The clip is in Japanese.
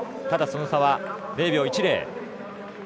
ただ、その差は０秒１０。